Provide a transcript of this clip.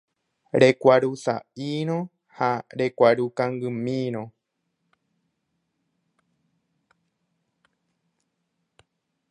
Rekuarusa'írõ ha rekuaru kangymírõ.